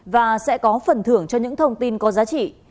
và sẽ có phần thưởng cho những thông tin có giá trị